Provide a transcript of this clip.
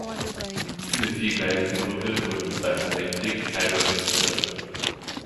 Diese viergleisige Brücke wurde im Zweiten Weltkrieg teilweise zerstört.